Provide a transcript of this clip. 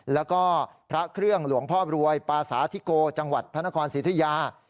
แล้วก็พระเครื่องหลวงพ่อรวยปาสาธิโกจังหวัดพระนครศรีธุยา